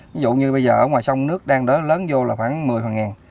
ví dụ như bây giờ ở ngoài sông nước đang lớn vô là khoảng một mươi phần ngàn